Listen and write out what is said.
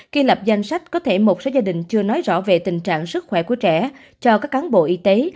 khi lập danh sách có thể một số gia đình chưa nói rõ về tình trạng sức khỏe của trẻ cho các cán bộ y tế